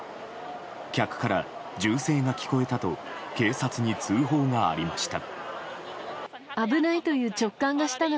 客から銃声が聞こえたと警察に通報がありました。